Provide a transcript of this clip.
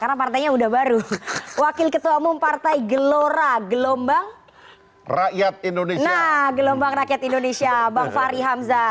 nah gelombang rakyat indonesia bang fahri hamzah